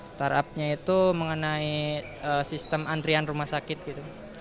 startupnya itu mengenai sistem antrian rumah sakit gitu